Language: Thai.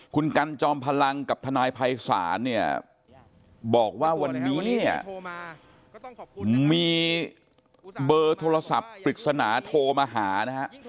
คุณกันจอมพลังกับทนายภัยศาลเนี่ยบอกว่าวันนี้เนี่ยมีเบอร์โทรศัพท์ปริศนาโทรมาหานะฮะ